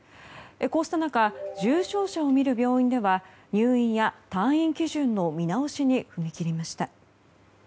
こうした中重症者を診る病院では入院や退院基準の見直しに踏み切りました。